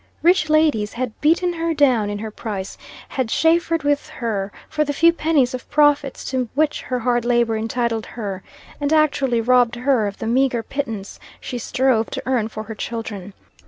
Rich ladies had beaten her down in her price had chaffered with her for the few pennies of profits to which her hard labor entitled her and actually robbed her of the meager pittance she strove to earn for her children.